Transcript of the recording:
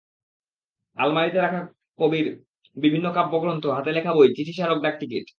আলমারিতে রাখা কবির বিভিন্ন কাব্যগ্রন্থ, হাতে লেখা বই, চিঠি, স্মারক ডাকটিকিট।